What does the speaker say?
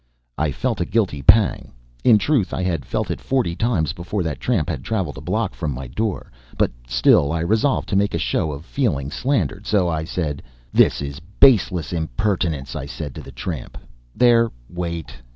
I felt a guilty pang in truth, I had felt it forty times before that tramp had traveled a block from my door but still I resolved to make a show of feeling slandered; so I said: "This is a baseless impertinence. I said to the tramp " "There wait.